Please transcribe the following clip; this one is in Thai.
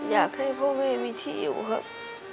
อยากให้พ่อแม่มีที่อยู่ครับ